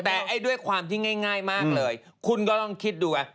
แต่ด้วยความที่ง่ายมากเลยคุณก็ลองคิดดู